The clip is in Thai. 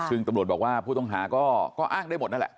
ซึ่งตำรวจบอกว่าผู้ต้องหาก็อ้างได้หมดนั่นแหละ